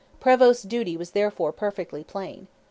Prevost's duty was therefore perfectly plain.